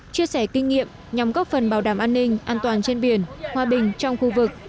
chia sẻ kinh nghiệm nhằm góp phần bảo đảm an ninh an toàn trên biển hòa bình trong khu vực